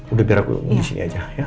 udah biar aku disini aja ya